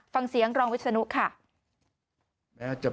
ฟังเสียงรองวิศนุค่ะ